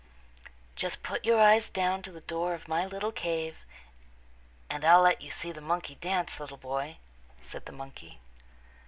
"Just put your eyes down to the door of my little cave, and I'll let you see the monkey dance, little boy," said the monkey.